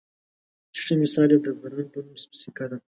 چې ښۀ مثال یې د غران پۀ نوم سیکه ده